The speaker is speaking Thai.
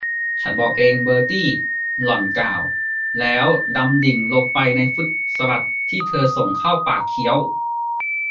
ฉันบอกเองเบอร์ตี้ หล่อนกล่าว แล้วดำดิ่งลงไปในฟรุ้ตสลัดที่เธอส่งเข้าปากเคี้ยว